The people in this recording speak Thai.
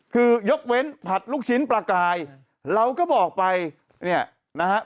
คือยกเว้นผัดลูกชิ้นปลากายเราก็บอกไปเนี่ยนะฮะ